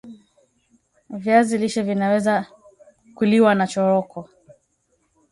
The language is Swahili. viazi lishe Vinaweza kuliwa nachoroko